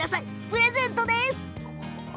プレゼントです。